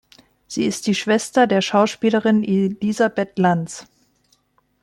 Sie ist die Schwester der Schauspielerin Elisabeth Lanz.